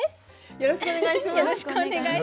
よろしくお願いします。